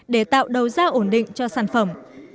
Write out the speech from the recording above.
để tạo đầu giao ổn định cho sản phẩm